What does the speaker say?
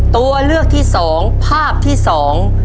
ตัวเลือกที่สองภาพที่สอง